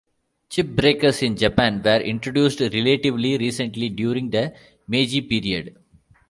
Chip breakers in Japan were introduced relatively recently during the Meiji period.